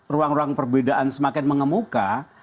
ruang ruang perbedaan semakin mengemuka